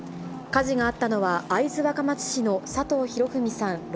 火事があったのは、会津若松市の佐藤博文さん